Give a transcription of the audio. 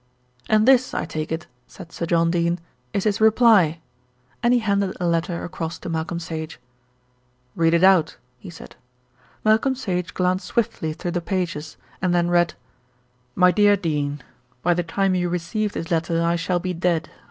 "And this, I take it," said Sir John Dene, "is his reply," and he handed a letter across to Malcolm Sage. "Read it out," he said. Malcolm Sage glanced swiftly through the pages and then read: My Dear Dene, By the time you receive this letter I shall be dead.